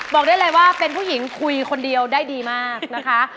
บอกได้เลยว่าเป็นผู้หญิงคุยคนเดียวได้ดีมากนะคะ